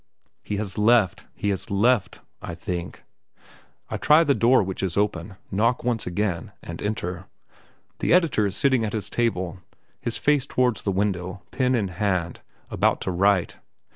"He has left, he has left," I think. I try the door which is open, knock once again, and enter. The editor is sitting at his table, his face towards the window, pen in hand, about to write.